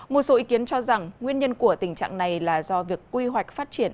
một số ý kiến cho rằng nguyên nhân của tình trạng này là do việc quy hoạch phát triển